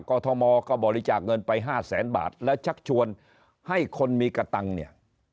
อทมก็บริจาคเงินไปห้าแสนบาทและชักชวนให้คนมีกระตังค์เนี่ย